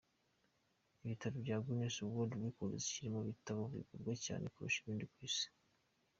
Igitabo cya Guinness World Records kiri mu bitabo bigurwa cyane kurusha ibindi ku Isi.